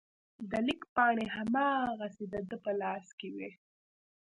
د لیک پاڼې هماغسې د ده په لاس کې وې.